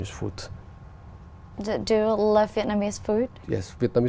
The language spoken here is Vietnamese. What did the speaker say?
quốc gia việt nam thích ăn quốc gia việt nam